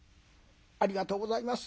「ありがとうございます。